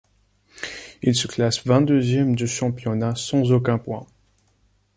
Il se classe vingt-deuxième du championnat sans aucun point.